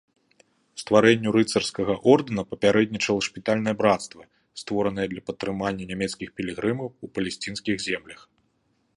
Стварэнню рыцарскага ордэна папярэднічала шпітальнае брацтва, створанае для падтрымання нямецкіх пілігрымаў у палесцінскіх землях.